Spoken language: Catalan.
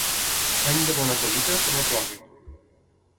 Any de bona collita, que no plogui.